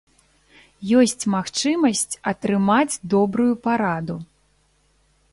Ёсць магчымасць атрымаць добрую параду.